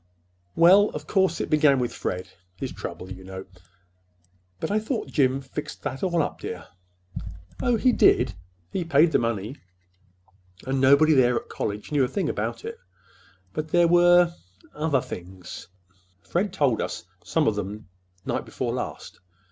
"Well, of course, it began with Fred—his trouble, you know." "But I thought Jim fixed that all up, dear." "Oh, he did. He paid the money, and nobody there at college knew a thing about it. But there were—other things. Fred told us some of them night before last.